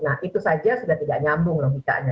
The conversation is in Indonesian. nah itu saja sudah tidak nyambung logikanya